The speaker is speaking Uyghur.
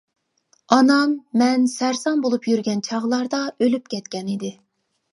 ئانام مەن سەرسان بولۇپ يۈرگەن چاغلاردا ئۆلۈپ كەتكەن ئىدى.